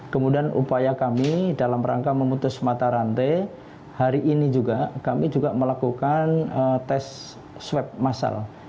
kemudian upaya kami dalam rangka memutus mata rantai hari ini juga kami juga melakukan tes swab masal